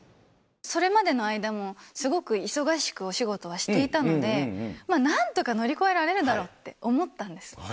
それまでの間も、すごく忙しくお仕事はしていたので、まあなんとか乗り越えられるだろうって思ったんです。